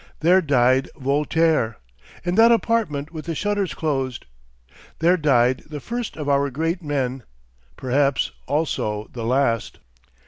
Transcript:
There died Voltaire in that apartment with the shutters closed. There died the first of our great men; perhaps also the last."